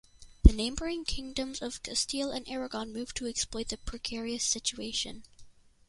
The neighbouring kingdoms of Castile and Aragon moved to exploit the precarious situation.